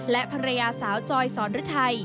และภรรยาสาวจอยสอนฤทัย